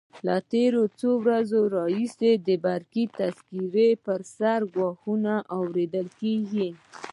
له تېرو څو ورځو راهیسې د برقي تذکرو پر سر ګواښونه اورېدل کېږي.